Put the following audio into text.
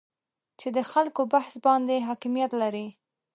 چې د خلکو بحث باندې حاکمیت لري